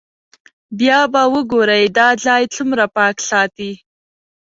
بیا به وګورئ دا ځای څومره پاک ساتي.